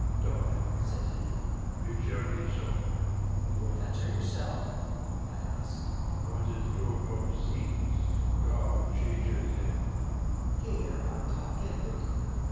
"Done," said he. "It shall be so." "You will fetch her yourself?" I asked. "On the stroke of six. Guard changes then." Here our talk ended.